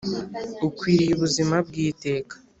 Ukwiriye ubuzima bw’iteka